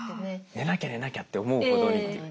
寝なきゃ寝なきゃって思うほどに。